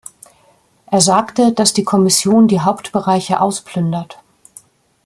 Er sagte, dass die Kommission die Hauptbereiche ausplündert.